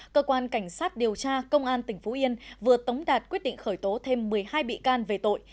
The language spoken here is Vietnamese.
cơ quan cảnh sát điều tra công an tỉnh phú yên vừa tống đạt quyết định khởi tố thêm một mươi hai bị can về tội